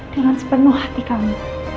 dengan sepenuh hati kamu